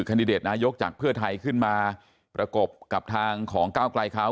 คันดิเดตนายกจากเพื่อไทยขึ้นมาประกบกับทางของก้าวไกลเขา